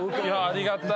ありがたい。